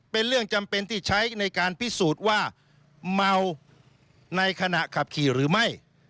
เป็นเรื่องจำเป็นที่ใช้ในการพิสูจน์ว่าเมาในขณะขับขี่หรือไม่